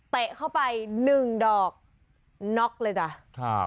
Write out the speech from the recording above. เตะเข้าไป๑ดอกน็อกเลยจ้ะ